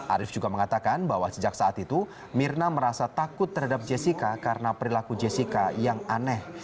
arief juga mengatakan bahwa sejak saat itu mirna merasa takut terhadap jessica karena perilaku jessica yang aneh